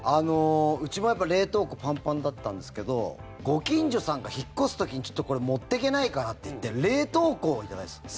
うちもやっぱ冷凍庫パンパンだったんですけどご近所さんが引っ越す時にちょっとこれ持っていけないからって言って冷凍庫を頂いたんです。